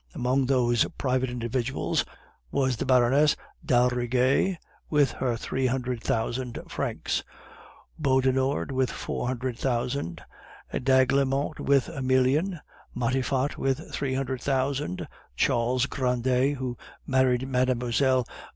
Among those private individuals was the Baroness d'Aldrigger with her three hundred thousand francs, Beaudenord with four hundred thousand, d'Aiglemont with a million, Matifat with three hundred thousand, Charles Grandet (who married Mlle.